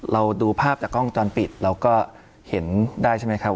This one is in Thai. เราดูภาพจากกล้องจรปิดเราก็เห็นได้ใช่ไหมครับ